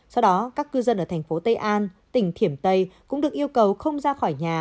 sau đó các cư dân ở thành phố tây an tỉnh thiểm tây cũng được yêu cầu không ra khỏi nhà